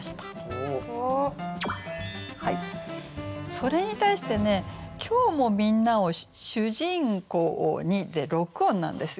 それに対してね「今日もみんなを主人公に」で６音なんですよ。